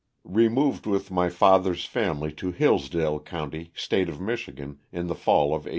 Removed with my father's family to Hillsdale county, State of Michigan, in the fall of 1854.